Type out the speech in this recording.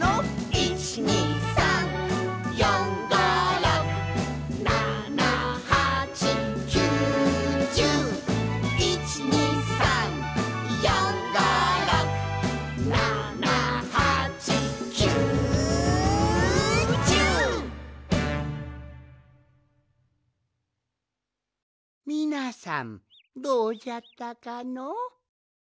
「１２３４５６７８９１０」「１２３４５６７８９１０」みなさんどうじゃったかの？